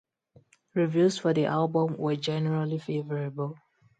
Reviews for the album were generally favorable.